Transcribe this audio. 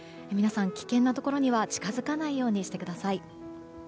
皆さん、危険なところには近づかないようにしてください。